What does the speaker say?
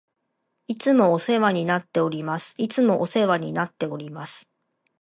いつもお世話になっております。いつもお世話になっております。